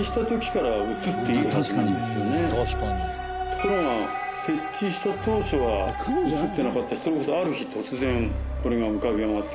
ところが設置した当初は映ってなかったしそれこそある日突然これが浮かび上がってきてた。